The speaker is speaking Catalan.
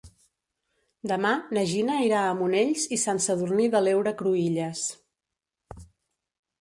Demà na Gina irà a Monells i Sant Sadurní de l'Heura Cruïlles.